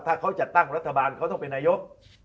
ถ้าเขาจัดตั้งรัฐบาลเขาต้องเป็นนายก